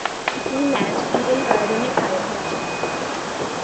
এই match Eden গার্ডেনে খেলা হয়েছিল।